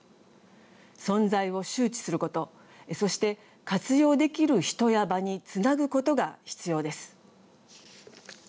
存在を周知すること、そして活用できる人や場につなぐことが必要です。